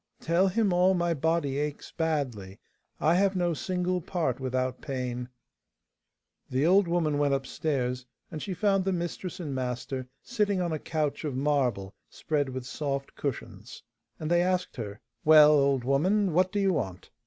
'Tell him all my body aches badly; I have no single part without pain.' The old woman went upstairs, and she found the mistress and master sitting on a couch of marble spread with soft cushions, and they asked her, 'Well, old woman, what do you want?